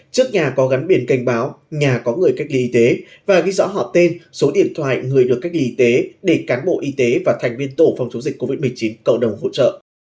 trước nhà có gắn biển cảnh báo nhà có người cách ly y tế và ghi rõ họ tên số điện thoại người được cách ly y tế để cán bộ y tế và thành viên tổ phòng chống dịch covid một mươi chín cộng đồng hỗ trợ